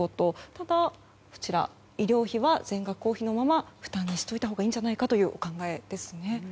ただ医療費は全額公費にしておいたほうがいいのではないかというお考えですね。